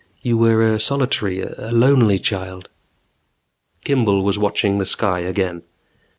"You were a solitary, a lonely child." Kimball was watching the sky again.